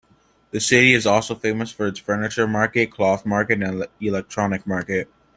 The city is also famous for its furniture market, cloth market and electronic market.